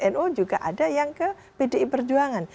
nu juga ada yang ke pdi perjuangan